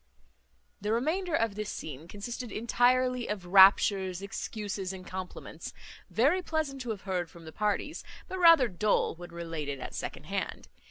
The remainder of this scene consisted entirely of raptures, excuses, and compliments, very pleasant to have heard from the parties; but rather dull when related at second hand.